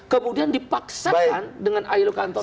kemudian dipaksakan dengan ayo kantor